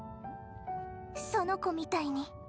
その子みたいに。